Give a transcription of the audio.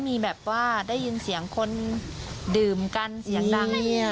หรือว่าได้ยินเสียงคนนั่งต่างสั่นกันไหม